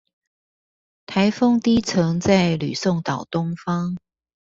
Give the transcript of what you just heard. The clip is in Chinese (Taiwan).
颱風低層在呂宋島東方